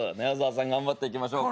頑張っていきましょうか。